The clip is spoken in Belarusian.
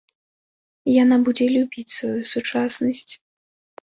Яна будзе любіць сваю сучаснасць.